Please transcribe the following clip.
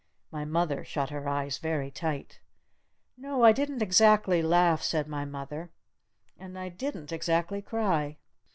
My mother shut her eyes very tight. "No I didn't exactly laugh," said my mother. "And I didn't exactly cry."